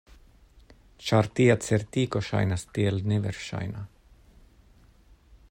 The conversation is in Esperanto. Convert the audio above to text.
Ĉar tia certigo ŝajnas tiel neverŝajna.